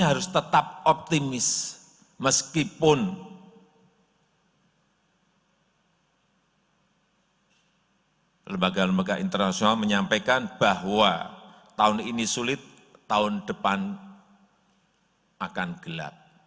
harus tetap optimis meskipun lembaga lembaga internasional menyampaikan bahwa tahun ini sulit tahun depan akan gelap